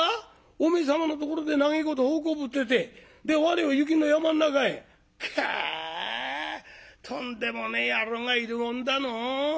お前様のところで長えこと奉公ぶっててで我を雪の山ん中へ？かとんでもねえ野郎がいるもんだのう。